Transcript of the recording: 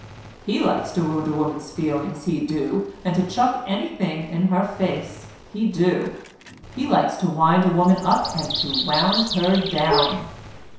He likes to wound a woman's feelings he do, and to chuck anything in her face, he do—he likes to wind a woman up and to wound her down."